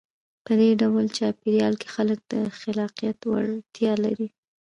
په دې ډول چاپېریال کې خلک د خلاقیت وړتیا لري.